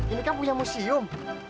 ini kan punya museum